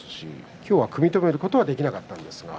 今日は組み止めることはできなかったんですが。